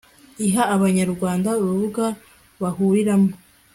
iha abanyarwanda urubuga bahuriramo